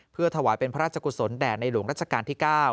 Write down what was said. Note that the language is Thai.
เพื่อถวายเป็นพระราชกุศลแด่ในหลวงรัชกาลที่๙